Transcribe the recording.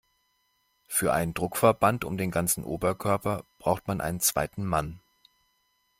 Für einen Druckverband um den ganzen Oberkörper braucht man einen zweiten Mann.